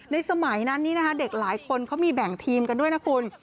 สมัยนั้นนี้นะคะเด็กหลายคนเขามีแบ่งทีมกันด้วยนะคุณ